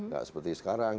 gak seperti sekarang